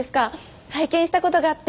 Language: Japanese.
拝見したことがあって。